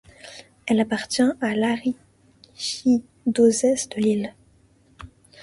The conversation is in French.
Elle appartient à l'archidiocèse de Lille.